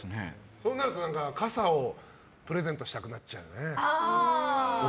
そうなると傘をプレゼントしたくなっちゃうよね。